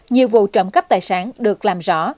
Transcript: nhiều vụ trộm cắp tài sản được làm rõ